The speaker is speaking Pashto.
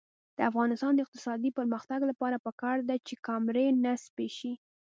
د افغانستان د اقتصادي پرمختګ لپاره پکار ده چې کامرې نصب شي.